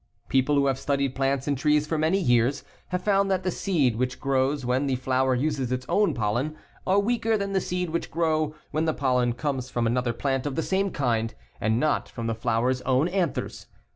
People who have studied plants and trees for many years have found that the seed which grow when the flower uses its own pollen are weaker than the seed which grow when the pollen comes from another plant of the same kind and not from the flower's own anthers.